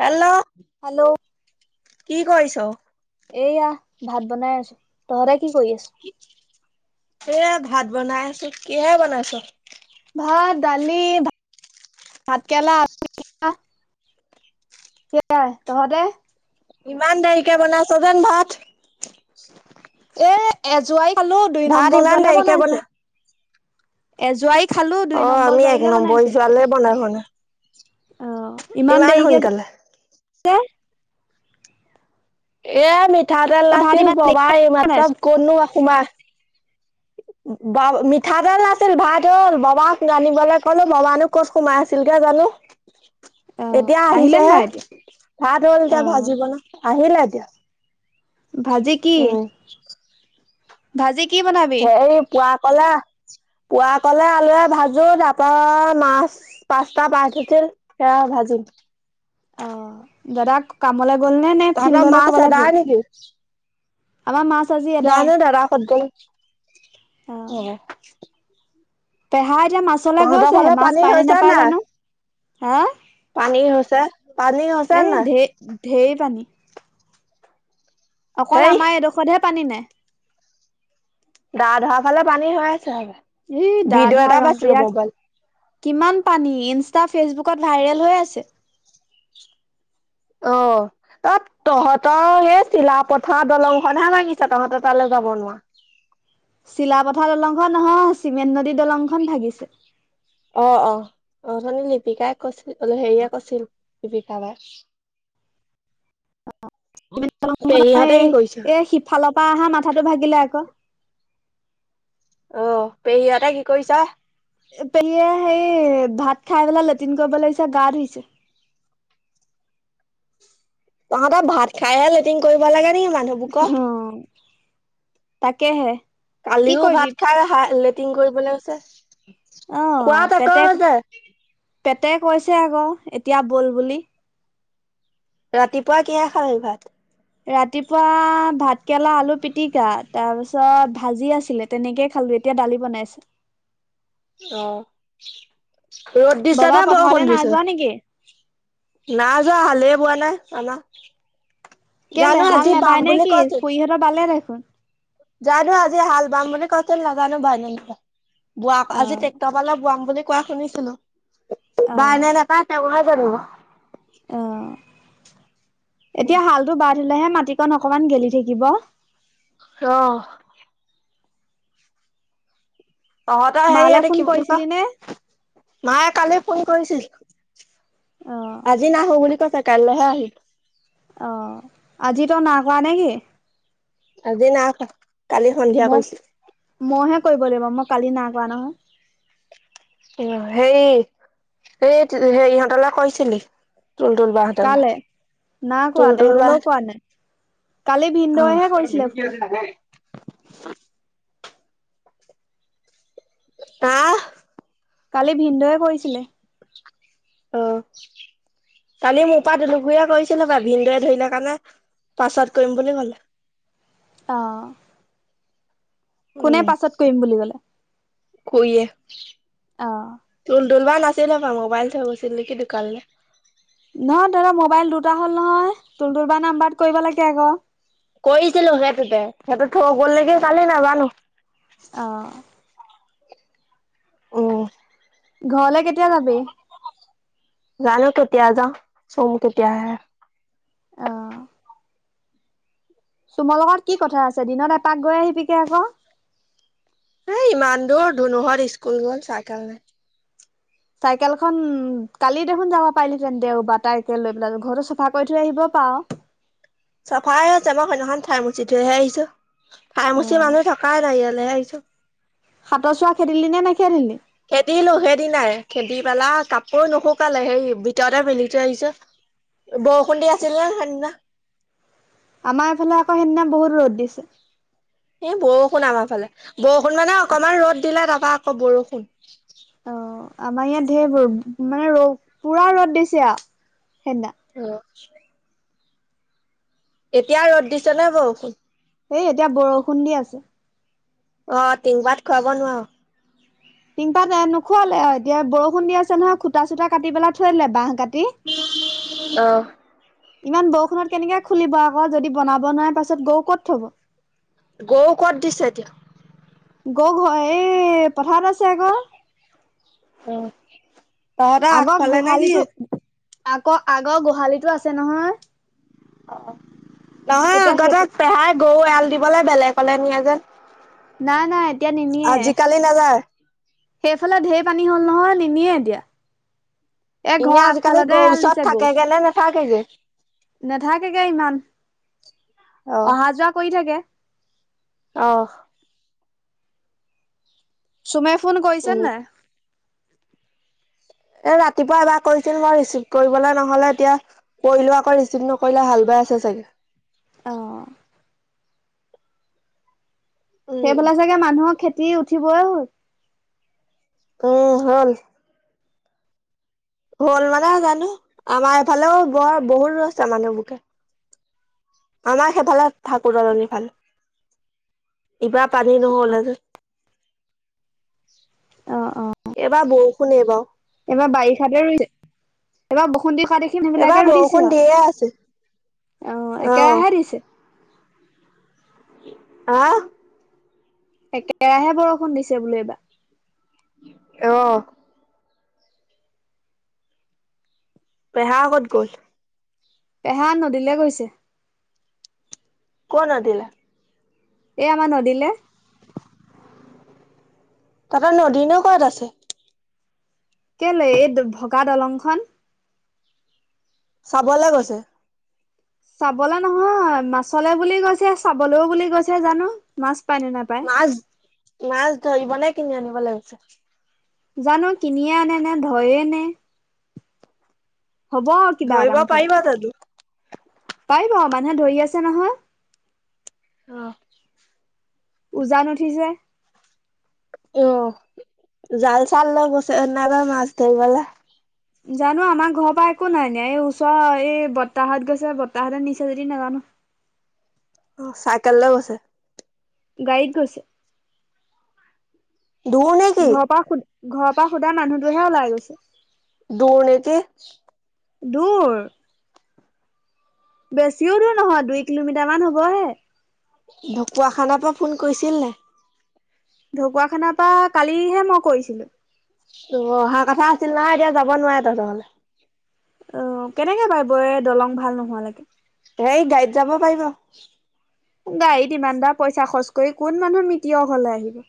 Hello. Hello. কি কৰিছ? এইয়া ভাত বনাই আছো, তহঁতে কি কৰি আছ? এইয়া ভাত বনাই আছো, কিহেৰে বনাইছ? ভাত, দালি, ভাতকেৰেলা সেয়াই, তহঁতে? ইমান দেৰিকে বনাইছ যেন ভাত? এ এজুৱাই খালো, দুই ভাত নম্বৰ ইমান যোৱালে দেৰিকে বনা বনাইছে। এজোৱাই খালো দুই অ', নম্বৰ আমি এক জোৱাইলে বনাইছে নম্বৰি জোৱালে বনাই হোৱা অ', নাই। ইমান দেৰিকে সোনকালে? [unintelligible] এয়া মিঠাতেল তই ভাত নাছিল ইমান দেৰিকে ববাই এইমাত্ৰ বনাইছ ক'ত নো সোমা ব, মিঠাতেল নাছিল ভাত হল, ববাক আনিবলৈ ক'লো ববানো ক'ত সোমাই আছিল গে জানো। অ এতিয়া আহিছে আহিলে নে হে, নাই এতিয়া? ভাত হ'ল অ এতিয়া ভাজি বনাম।, আহিলে এতিয়া। ভাজি কি? [inaudible] ভাজি কি বনাবি? হেৰি পুৱা কলা, পুৱা কলে আলুৱে ভাজো, তাৰপৰা মাছ। পাঁচতা মাছ আছিল, সেইয়া ভাজিম। অ', দাদা কামলৈ গ'ল, নে নে তহঁতৰ ফিল্ডলৈ মাছ ক'বালে গল? এদাই নেকি আমাৰ মা জানো দাদা ক'ত গল, অ'। পেহা এতিয়া মাছলৈ তহঁতৰ গৈছেহে, ফালে মাছ পানী পাই নে হৈছে নোপায় নাই জানো, হা? পানী হৈছে, পানী হৈছে এ নে নাই? ঢেৰ ঢেৰ পানী। অকল হেই আমাৰ এইডখৰতহে পানী নাই। দাধৰা ফালে পানী হৈ আছে, ই দা ভিডিঅ' ধৰা এটা ৰংপুৰীয়া পাইছিলো মোবাইল। কিমান পানী, ইনষ্টা ফেচবুকত ভাইৰেল হৈ আছে। অ'। অ', তহঁতৰ সেই চিলাপথাৰৰ দলং খন হে ভাঙিছে, তহঁতৰ তালে যাব নোৱাৰা। চিলাপথাৰৰ দলংখন নহয়, চিমেন নদী দলংখন হে ভাগিছে। অ' অ', অথনি লিপিকাই কৈছিল, বোলে অ' হেৰিয়ে কৈছিল, লিপিকা বায়ে। দলংখনৰ পেহীহঁতে কি এই কৰিছে এ সিফালৰ পৰা অহা মাথাটো ভাগিলে আকৌ। অঁ, পেহীহঁতে কি কৰিছে? পেহীয়ে সেই ভাত খাই পেলাই লেট্ৰিন কৰিব লাগিছে। গা ধুইছে। তহঁতৰ ভাত খাইহে লেট্ৰিন কৰিব লাগে। নেকি মানুহবোৰ ওঁ, ক হোঁহ্ হোঁহ্, তাকেহে। কি কালিও কৰিবি ভাত খাই হা লেটিন কৰিবলে গৈছে। খোৱা তাক হৈছে। পেটে কৈছে আক' এতিয়া বল বুলি। ৰাতিপুৱা কিহে খালি ভাত? ৰাতিপুৱা ভাত কেৰেলা, আলু পিতিকা তাৰপিছত ভাজি আছিলে তেনেকে খালোঁ। এতিয়া দালি বনাইছে। অঁ, ৰ'দ দিছে বাবা নে পথাৰলৈ বৰষুণ নাই দিছ? যোৱা নেকি নাই যোৱা হালেই বোৱা নাই আমাৰ। কে'লে জানো আজি হাল বাম নেবাই বুলি নেকি? কৈছিল খুৰীহঁতৰ বালে দেখোন। জানো আজি হাল বাম বুলি কৈছিল। নাজানোঁ বাই নে নাবাই। বোৱা অ আজি ট্ৰেক্টৰ পালে বোৱাম বুলি কোৱা শুনিছিলো। অ বায় এ নেবায় তেওঁহে জানিব। অঁ, এতিয়া হালটো বায় দিলেহে মাটিকণ অকমান গেলি থাকিব। ৰহ্! তহঁতৰ হেই মালে এইটো ফোন কি বুলি কৰিছিলি নে কয়? মাইয়ে কালি ফোন কৰিছিল। অ আজি নাহো বুলি কৈছে কলিলেহে আহি অঁ, আজি তই নাই কৰা নেকি? আজি নাই কৰা। কালি সন্ধিয়া মোক কৰিছিলোঁ। মইহে কৰিব লাগিব। মই কালি নাই কৰা নহয়। উম, সেই এই টি হে ইহঁতলে কৰিছিলি? তুল তুল বাহঁতলে। কালে নাই তুল কৰা তুল বাহ তেহেঁতলৈও কৰা নাই কালি অ ভিন্দৌৱেহে কৰিছিলে ফোন। তাহঁ কালি ভিন্দৌৱে কৰিছিলে। অহ্। কালি মোৰপৰা দুলো খুৰীয়ে কৰিছিলে বাও। ভিন্দৌৱে ধৰিলে কাৰণে পাছত কৰিম বুলি ক'লে। অঁ'। কোনে উম পাছত কৰিম বুলি ক'লে? খুৰীয়ে। অ তুল তুলবা নাছিলে হপাই মোবাইল থই গৈছিল নেকি দোকানলে? নহয় তাহাঁতৰ মোবাইল দুটা হ'ল নহয়। তুল তুলবা নাম্বাৰত কৰিব লাগে আক'। কৰিছিলো সেইটোতে। সেইটো থই গ'ল নেকি কালি নাজানোঁ। অঁ। উম। ঘৰলে কেতিয়া যাবি? জানো কেতিয়া যাওঁ। চুম কেতিয়া আহে। অ চুমৰ লগত কি কথা আছে। দিনত এপাক গৈ আহিবিকে আক'। হেই ইমান দূৰ, ধুনুহঁত স্কুল গ'ল চাইকেল নাই। চাইকেলখন, কালি দেখোন যাব পাৰিলি হেঁতেন দেইবাৰ। তাইকে লৈ পেলাই ঘৰতো চফা কৰি থৈ আহিব পাৱ। চফাই আছে। মই সেইদিনাখন ঠাইমুচি থৈহে আহিছোঁ। অ ঠাইমুচি মানুহ থকাই নাই ইয়ালেহে আহিছোঁ। হাতৰ চোৱা খেদিলি নে নেখেদিলি? খেদিলো সেইদিনাই। খেদি পেলাই কাপোৰ নুশুকালে সেই ভিতৰতে মেলি থৈ আহিছোঁ। বৰষুণ দি আছিল নে সেইদিনা? আমাৰ এইফালে আক' সেইদিনা বহুত ৰ'দ দিছে। এই বৰষুণ আমাৰ ফালে, বৰষুণ মানে অকমান ৰ'দ দিলে, তাৰপৰা আকৌ বৰষুণ। অ', আমাৰ ইয়াত ধেৰ বৰষুণ, মানে ৰ, পুৰা ৰ'দ দিছে আৰু সেইদিনা। অ'। এতিয়া ৰ'দ দিছে নে বৰষুণ? এই এতিয়া বৰষুণ দি আছে। অ', টিং পাত খুৱাব নোৱাৰো। টিংপাত এ, নোখুৱালে, এতিয়া বৰষুণ দি আছে নহয় খুটা চুটা কাটি পেলাই থৈ দিলে বাহ কাটি। অহ। ইমান বৰষুণত কেনেকে খুলিব আকৌ, যদি বনাব নোৱাৰাৰে পাছত গৰু ক'ত থব। গৰু ক'ত দিছে এতিয়া? গৰু ঘৰ, এই পথাৰত আছে আকৌ। তহঁতৰ আগৰ আগফালে নে কি গোহালিটো আগৰ, আগৰ গোহালিতো আছে নহয়। নহয়, এতিয়া আগতে সেইটো পেহাই গৰু এৰাল দিবলৈ বেলেগলে নিয়ে যেন। নাই নাই এতিয়া নিনিয়ে। [unintelligible] সেইফালে ঢেৰ পানী হ'ল নহয়, নিনিয়ে এতিয়া। এ ঘৰ এনেই আজিকালি আগফালতে গৰু এৰাল ওচৰত থাকেগেনে নাথাকেগে। নেথাকেগে ইমান, অহ। অহা যোৱা কৰি থাকে। অ'। চুমে ফোন কৰিছে উম, নে নাই? এ, ৰাতিপুৱা এবাৰ কৰিছিল, মই ৰিচিভ কৰিবলৈ নহ'লে তেতিয়া। কৰিলো আকৌ ৰিচিপ্ নকৰিলে হাল বাই আছে চাগে। অঁ। উম, সেইফালে চাগে মানুহৰ খেতি উঠিবই হ'ল। উম, হ'ল। হ'ল মানে জানো, আমাৰ এফালেও বৰ, বহুত ৰুইছে মানুহবোৰে। আমাৰ সেইফালে ঠাকুৰ দলনি ফালে। ইবাৰ পানী নহ'লে যে। অ অ এইবাৰ বৰষুণ এইবাৰো। এইবাৰ বাৰিষাতে ৰুইছে, এইবাৰ বৰষুণ দি থকা [unintelligible] এইবাৰ বিলাকে ৰুইছে বৰষুণ দিয়ে আছে। আৰু অ', একেৰাহে দিছে। আহ? একেৰাহে বৰষুণ দিছে বোলো এইবাৰ। আহ। পেহা ক'ত গ'ল? পেহা নদীলৈ গৈছে। ক'ৰ নদীলে? এ, আমাৰ নদীলে। তাহঁতৰ নদীনো ক'ত আছে? কেলে, এই, ভগা দলংখন। চাবলৈ গৈছে। চাবলে নহয়, মাছলে বুলি গৈছে, চাবলৈও বুলি গৈছে, জানো, মাছ পায় নে নাপায়। মাছ, মাছ ধৰিবনে, কিনি আনিবলে গৈছে? জানো কিনিয়ে আনে নে, ধৰিয়ে আনে। হ'ব কিবা ধৰিব এটা মুঠতে পাৰিবা জানো? পাৰিব মানুহে ধৰি আছে নহয় অঁ উজান উঠিছে অ জাল চাল লৈ গৈছে না মাছ ধৰিবলে জানো আমাৰ ঘৰৰ পৰা একো নাই নিয়া এই ওচৰ এই বতাহত গৈছে বৰতাহতে নিচা যদি নাজানো অ চাইকেললৈ বছে গাইত গৈছে ধণ ঘৰৰ পৰা ঘৰৰ পৰা সোধা মানুহটোহে ওলাই গৈছে দুূৰ্ নীতি দূৰ বেছিও দূৰ নহয় দুই কিলোমিটাৰ মান হবহে ঢকুৱাখানাৰ পৰা ফোন কৰিছিল নে ঢকুৱাখানাৰ পৰা কালিহে মই কৰিছিলো ত অহা কথা আছিল না এতিয়া যাব নোৱাৰে তহঁতৰলে অ কেনেকে বাইিব এ দলং ভাল নোহোৱালৈকে এই গাড়ত যাব পাৰিব গাড়ীত ইমান দাৰ পইচা খৰচ কৰি কোন মানুহৰ মিতি হলে আহিব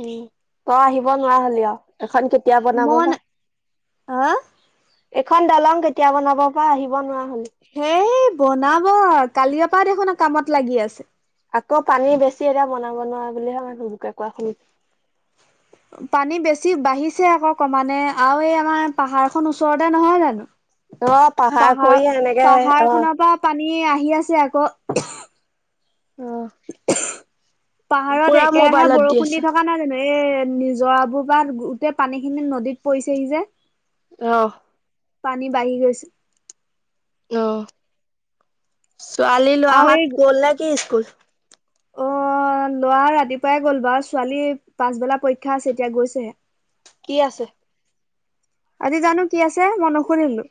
উম তই আহিব নোৱাৰা হলি অ এখন কেতিয়া বনাব মন বা হা এখন দালং কেতিয়া বনাব পৰা আহিব নোৱাৰা হলে হেই বনাব কালিপা দেখোন কামত লাগি আছে আকৌ পানী বেছি এতিয়া বনাব নোৱাৰোৱা বুলিহে মানে সুজোকে কোৱা শুনি পানী বেছি বাঢ়িছে আকৌ কমানে আৰু এই আমাৰ পাহাৰ খ ওচৰতে নহয় জানো অ পাহাৰ খৰি এনেকে অ পাহাৰ খনৰ পৰা পানী আহি আছে আকৌ পাহাৰত পুৰা একেৰাহে মোবাইলত বৰষুণ দি আছে। থকা নাই জানো এ নিজৰাবোৰ পৰা গোটেই পানী খিনি নদীত পৰিছেহি যে আহ পানী বাঢ়ি গৈছে অ ছোৱালী আৰু এই লোৱাাহাত গ'ল নে কি স্কুল অ [unintelligible] ল'ৰা ৰাতিপুৱাই গ'ল বাৰু ছোৱালী পাছবেলা পৰীক্ষা আছে এতিয়া গৈছেহে কি আছে আজি জানো কি আছে মই নসুৰিলো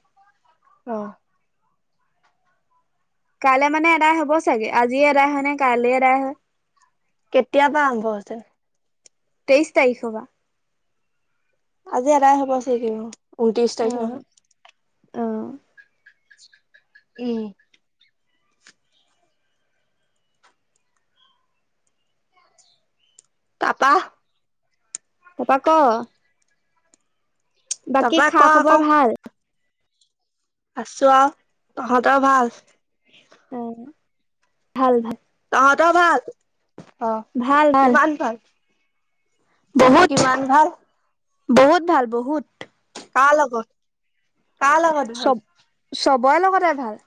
অ কাইলৈ মানে এদাই হ'ব চাগে আজিয়ে এদায় হয় নে কাইলে এদাই হয় কেতিয় পৰাা আৰম্ভ হৈছিল তেইশ তাৰিখ হ' বা আজি এৰাই হব চ কি ঊনত্ৰিশ তাৰিখ নহয় আহ উম টাটা তাপা ক বাকী তাপা ক খা খবৰ আকৌ ভাল আছো আৰু তহঁতৰ ভাল অ ভাল ভাল তহঁতৰ ভাল অ কিমান ভাল বহুত কিমান ভাল। বহুত ভাল বহুত। কা লগত কা লগত। ভাল? চব চবৰে লগতে ভাল।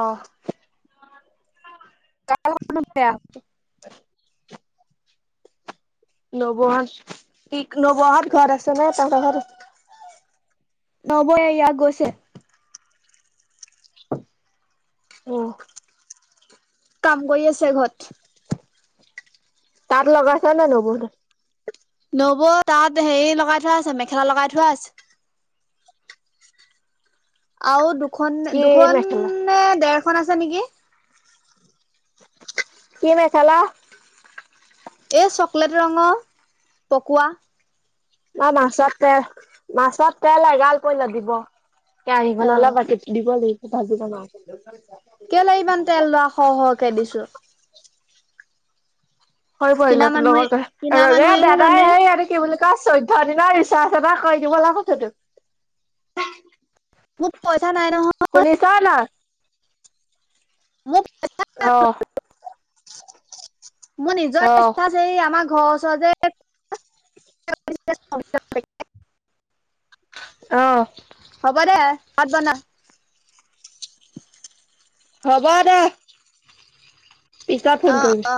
অ। কা লগত নু বেয়া। নবহাত ইগ নবহাত ঘৰত আছে নে তহঁতৰ ঘৰ। নবও এইয়া গৈছে। অ। কাম কৰি আছে ঘৰত। তাত লগাইছা নে নবও হেতে। নবৌ তাত হেৰি লগাই থোৱা আছে মেখেলা লগাই থোৱা আছে। আও দুখন কি মেখেলা? দুখনে ডেৰখন আছে নেকি। কি মেখেলা। এ চকলেট ৰঙ পকোৱা। ম মাছত তেল মাছত তেল এগালকৈ লাগিব দিব। কেয়াসিখন অ অলপ বতি দিব ভাজি [unintelligible] কেলেই ইমান তেল লোৱা হ হ কে দিছো। হৈ কিনা পৰিলা তোৰ মানুহে লগৰ ক কিনা ৰ মানুহেহে দাদাই জানে হে ইহতে কি বুলি। ত চৈধ্য দিনা ৰিচাৰ্জ এটা কৰি দিব কিব লাভ আছে তো। মোক পইচা নাই নহয়। শুনিছ নাই? মোক [inaudible] অ', মোৰ নিজৰ অ', ৰিছাজ। [inaudible] আমাৰ ঘৰৰ ওচৰ যে [inaudible] অ। হ'ব দে ভাত বনাং। হ'ব দে পিছত অ ফোন কৰিম।